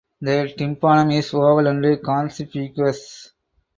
The tympanum is oval and conspicuous.